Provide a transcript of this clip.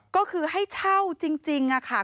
ก็คือให้เช่าจริงค่ะ